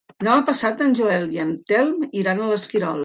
Demà passat en Joel i en Telm iran a l'Esquirol.